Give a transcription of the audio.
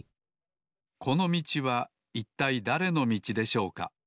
このみちはいったいだれのみちでしょうか？